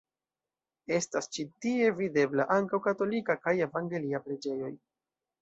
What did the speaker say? Estas ĉi tie videbla ankaŭ katolika kaj evangelia preĝejoj.